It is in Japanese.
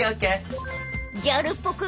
［ギャルっぽく